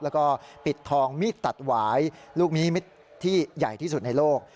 แล้วก็ปิดทองมีดตัดหวายลูกนี้ที่ใหญ่ที่สุดในโลก